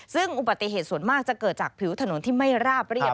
ซึ่งอุบัติเหตุส่วนมากจะเกิดจากผิวถนนที่ไม่ราบเรียบ